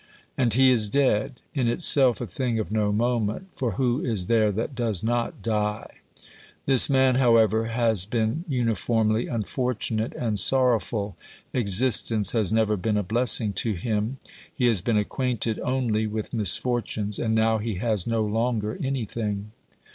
And he is dead — in itself a thing of no moment, for who is there that does not die ? This man, however, has been uniformly unfortunate and sorrowful; existence has never been a blessing to him ; he has been acquainted only with misfortunes, and now he has no longer anything.